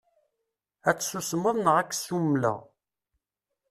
Ad tsusmeḍ neɣ ad k-ssumleɣ.